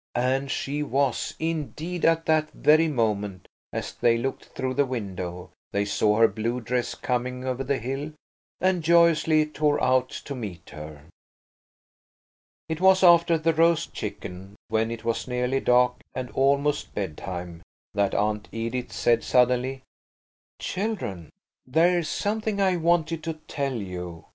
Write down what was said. And she was–indeed, at that very moment, as they looked through the window, they saw her blue dress coming over the hill, and joyously tore out to meet her. It was after the roast chicken, when it was nearly dark and almost bedtime, that Aunt Edith said, suddenly– "Children, there's something I wanted to tell you.